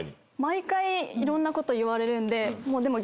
毎回いろんなこと言われるんで。